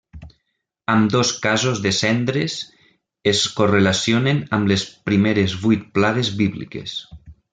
Ambdós casos de cendres es correlacionen amb les primeres vuit plagues bíbliques.